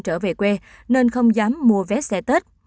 trở về quê nên không dám mua vé xe tết